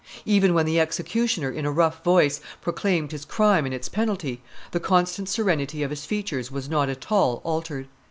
Even when the executioner, in a rough voice, proclaimed his crime and its penalty, the constant serenity of his features was not at all altered.